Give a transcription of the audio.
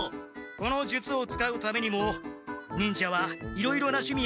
この術を使うためにも忍者はいろいろなしゅみ